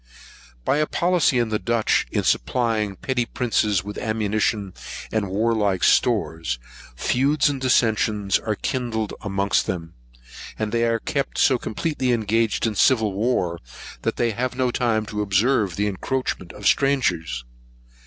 By a policy in the Dutch, in supplying the petty princes with ammunition and warlike stores, feuds and dissentions are kindled amongst them; and they are kept so completely engaged in civil war, that they have no time to observe the encroachments of strangers.